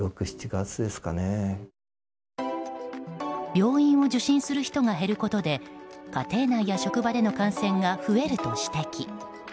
病院を受診する人が減ることで家庭内や職場での感染が増えると指摘。